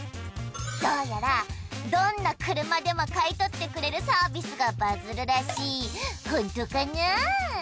どうやらどんな車でも買い取ってくれるサービスがバズるらしいホントかな？